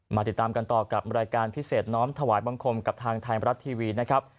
มาติดตามกันต่อกับรายการพิเศษน้อมถวายบังคมกับทางไทยรัฐทีวีนะครับ